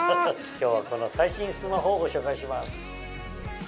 今日はこの最新スマホをご紹介します。